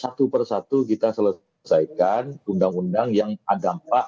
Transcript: satu per satu kita selesaikan undang undang yang ada dampak